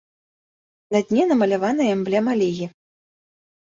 На дне намаляваная эмблема лігі.